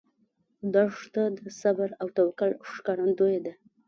دښته د صبر او توکل ښکارندوی ده.